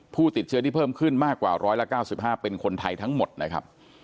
ผู้ติดเชื้อที่เพิ่มขึ้นมากกว่า๑๙๕เป็นคนไทยทั้งหมดนะครับ